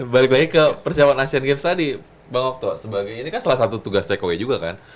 balik lagi ke persiapan asian games tadi bang okto sebagai ini kan salah satu tugas take away juga kan